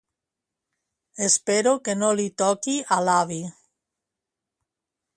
Espero que no li toqui a l'avi